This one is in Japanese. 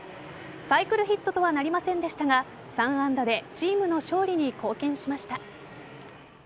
サイクルヒットとはなりませんでしたが、３安打でチームの勝利に貢献しました。